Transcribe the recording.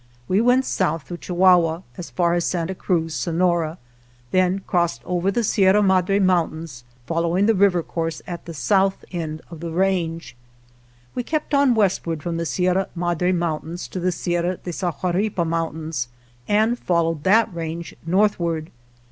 We went south through Chihuahua as far as Santa Cruz, Sonora, then crossed over the Sierra Madre Moun tains, following the river course at the south end of the range. We kept on westward from the Sierra Madre Mountains to the Sierra de Sahuripa Mountains, and fol lowed that range northward.